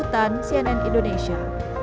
ketika penumpang menunggu